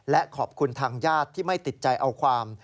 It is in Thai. และขอบคุณทางญาติที่ไม่ติดใจเอาความ